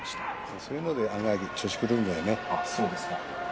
そういうので調子が狂うんだよね。